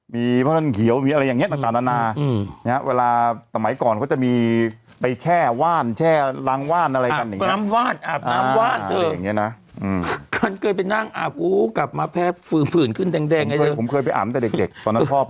มีพรรณเขียวมีอะไรอย่างเงี้ยต่างต่างต่างอือนะฮะเวลาสมัยก่อนเขาจะมีไปแช่ว่านแช่ล้างว่านอะไรกันอย่างเงี้ย